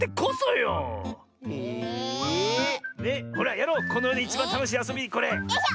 よいしょ！